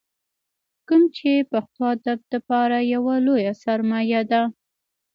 کوم چې پښتو ادب دپاره يوه لويه سرمايه ده ۔